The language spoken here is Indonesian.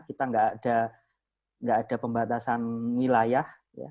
kita tidak ada pembatasan wilayah